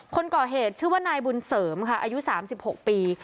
คนก่อเหตุชื่อว่านายบุญเสริมค่ะอายุ๓๖ปี